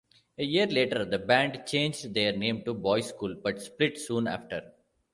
A year later the band changed their name to Boyschool but split soon after.